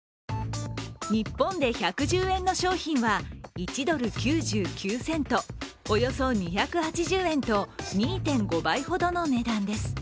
日本で１１０円の商品は１ドル９９セント、およそ２８０円と２．５倍ほどの値段です。